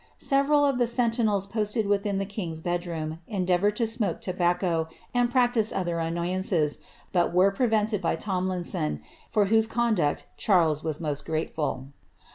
Several of the sentinels posted within the king's bed room, endeavoured to smoke to bacco, and practise other annoyances, but were prevented by Tomlin* son, for whose conduct Charles was most grateful.